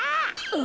あ？